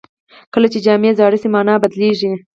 کله چې جامې زاړه شي، مانا بدلېږي.